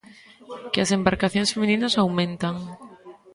Que as embarcacións femininas aumentan.